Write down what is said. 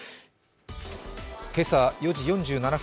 今朝４時４７分